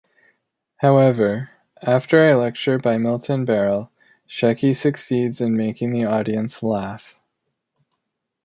However, after a lecture by Milton Berle, Shecky succeeds in making the audience laugh.